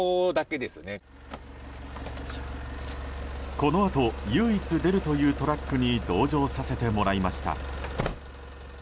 このあと唯一出るというトラックに同乗させてもらいました。